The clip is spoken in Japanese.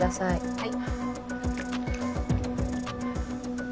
はい。